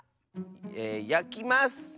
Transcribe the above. えやきます！